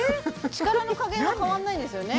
力の加減は変わんないんですよね